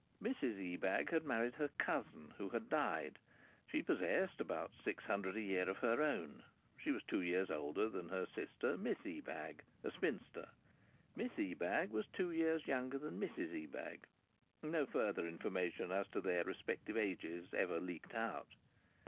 Mrs Ebag had married her cousin, who had died. She possessed about six hundred a year of her own. She was two years older than her sister, Miss Ebag, a spinster. Miss Ebag was two years younger than Mrs Ebag. No further information as to their respective ages ever leaked out.